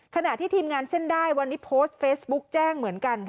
ขณะที่ทีมงานเส้นได้วันนี้โพสต์เฟซบุ๊กแจ้งเหมือนกัน